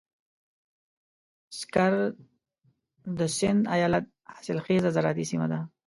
سکر د سيند ايالت حاصلخېزه زراعتي سيمه ده.